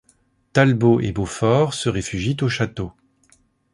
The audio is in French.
Talbot et Beaufort se réfugient au château.